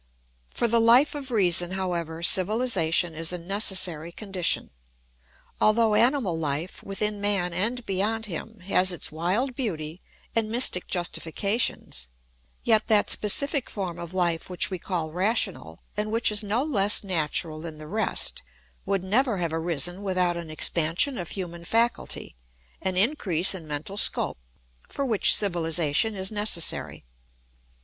For the Life of Reason, however, civilisation is a necessary condition. Although animal life, within man and beyond him, has its wild beauty and mystic justifications, yet that specific form of life which we call rational, and which is no less natural than the rest, would never have arisen without an expansion of human faculty, an increase in mental scope, for which civilisation is necessary.